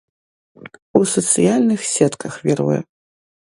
У сацыяльных сетках віруе.